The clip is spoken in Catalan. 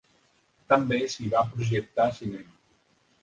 També s'hi va projectar cinema.